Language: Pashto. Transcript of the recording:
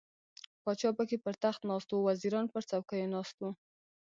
پاچا پکې پر تخت ناست و، وزیران پر څوکیو ناست وو.